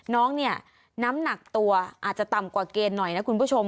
น้องเนี่ยน้ำหนักตัวอาจจะต่ำกว่าเกณฑ์หน่อยนะคุณผู้ชม